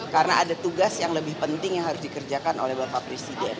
karena ada tugas yang lebih penting yang harus dikerjakan oleh bapak presiden